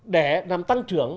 để làm tăng trưởng